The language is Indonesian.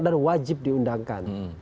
dan wajib diundangkan